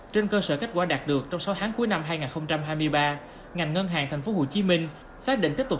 trên cơ sở kết quả đạt được trong sáu tháng cuối năm hai nghìn hai mươi ba ngành ngân hàng tp hcm xác định tiếp tục